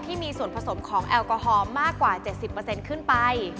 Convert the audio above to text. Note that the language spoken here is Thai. ที่มีส่วนผสมของแอลกอฮอล์มากกว่า๗๐ขึ้นไป